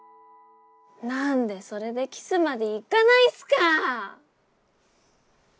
何でそれでキスまでいかないんすか！